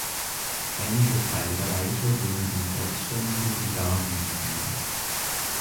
Einige Teilbereiche wurden in selbständige Brigaden gegliedert.